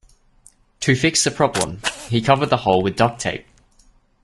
To fix the problem, he covered the hole with duct tape.